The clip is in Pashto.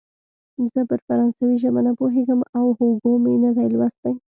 زه پر فرانسوي ژبه نه پوهېږم او هوګو مې نه دی لوستی.